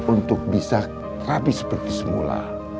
untuk bisa rapi seperti semula